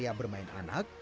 dan permainan anak